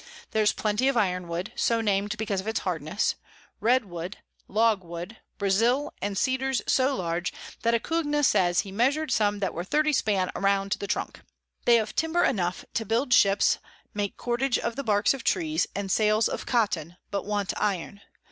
There's plenty of Iron Wood, so nam'd because of its Hardness, Red Wood, Log Wood, Brazile, and Cedars so large, that Acugna says he measur'd some that were 30 span round the Trunk. They have Timber enough to build Ships, make Cordage of the Barks of Trees, and Sails of Cotton, but want Iron.